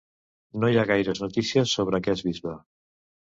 No hi ha gaires notícies sobre aquest bisbe.